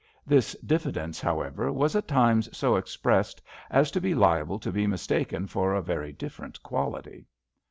This diffidence, however, was at times so expressed as to be liable to be mistaken for a very different quality.